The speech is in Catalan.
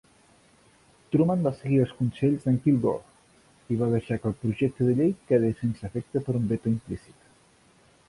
Truman va seguir els consells de"n Kilgore i va deixar que el projecte de llei quedés sense efecte per un veto implícit.